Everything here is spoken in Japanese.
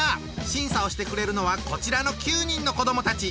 審査をしてくれるのはこちらの９人の子どもたち。